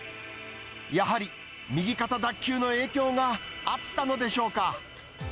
やはり右肩脱臼の影響があったのでしょうか。